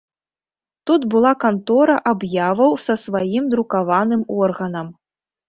Тут была кантора аб'яваў са сваім друкаваным органам.